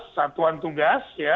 satuan tugas ya